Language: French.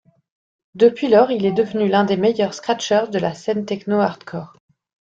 Depuis lors il est devenu l'un des meilleurs scratchers de la scène techno hardcore.